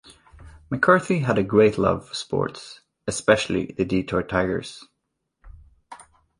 McCarthy had a great love for sports, especially the Detroit Tigers.